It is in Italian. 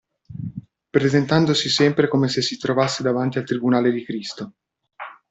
Presentandosi sempre come se si trovasse davanti al tribunale di Cristo.